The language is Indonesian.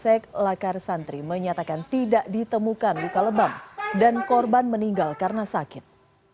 korban menyatakan di awal laporan polsek lekar santri menyatakan tidak ditemukan luka lebam dan korban meninggal karena sakit